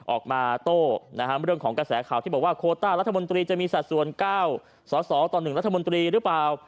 ออกมาโต้เรื่องของกระแสข่าวที่บอกว่าโคต้ารัฐมนตรีจะมีสัดส่วน๙สอสอต่อ๑รัฐมนตรีหรือเปล่า